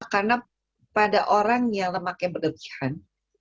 karena pada orang yang lemaknya berlebihan